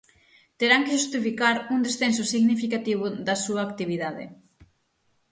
Terán que xustificar un descenso significativo da súa actividade.